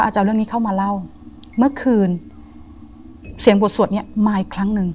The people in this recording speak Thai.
จะเอาเรื่องนี้เข้ามาเล่าเมื่อคืนเสียงบทสวดเนี้ยมาอีกครั้งหนึ่ง